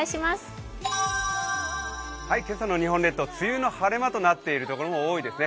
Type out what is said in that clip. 今朝の日本列島梅雨の晴れ間となっているところ多いですね。